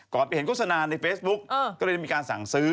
ไปเห็นโฆษณาในเฟซบุ๊กก็เลยมีการสั่งซื้อ